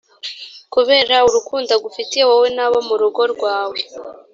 kubera urukundo agufitiye, wowe n’abo mu rugo rwawe,